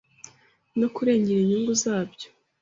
no kurengera inyungu zabyo,